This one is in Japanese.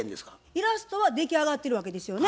イラストは出来上がってるわけですよね。